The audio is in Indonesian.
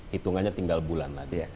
hitungannya tinggal bulan